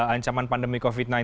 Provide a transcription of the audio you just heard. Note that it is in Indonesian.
ancaman pandemi covid sembilan belas